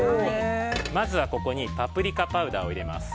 まずはパプリカパウダーを入れます。